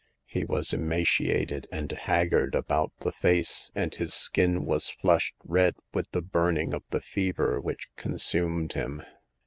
He was emaciated and haggard about the face, and his skin was flushed red with the burning of the fever which con sumed him.